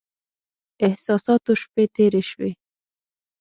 احساساتو شپې تېرې شوې.